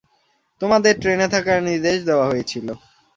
তোমাদের ট্রেনে থাকার নির্দেশ দেওয়া হয়েছিল।